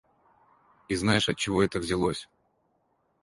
И знаешь, отчего это взялось?